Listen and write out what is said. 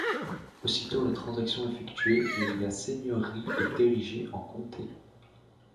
Aussitôt la transaction effectuée la seigneurie est érigée en comté.